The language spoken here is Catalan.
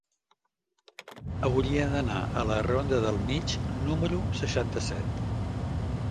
Hauria d'anar a la ronda del Mig número seixanta-set.